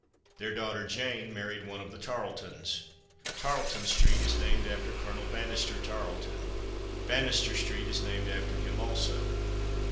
Their daughter Jane married one of the Tarletons. Tarleton street is named after Colonel Banastre Tarleton. Banastre street is named after him also.